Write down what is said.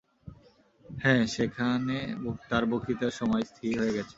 হ্যাঁ, সেখানে তাঁর বক্তৃতার সময় স্থির হয়ে গেছে।